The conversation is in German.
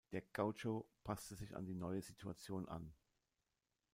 Der Gaucho passte sich an die neue Situation an.